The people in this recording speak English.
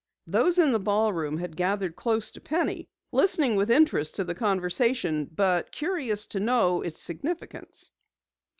Those in the ballroom had gathered close to Penny, listening with interest to the conversation, but curious to learn its significance.